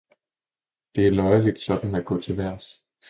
Det er løjerligt sådan at gå til vejrs!